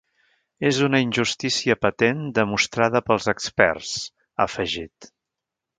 Es una injustícia patent demostrada pels experts, ha afegit.